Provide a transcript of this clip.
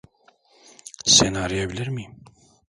Seni arayabilir miyim?